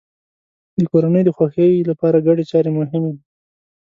د کورنۍ د خوښۍ لپاره ګډې چارې مهمې دي.